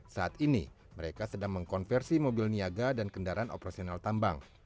saat ini mereka sedang mengkonversi mobil niaga dan kendaraan operasional tambang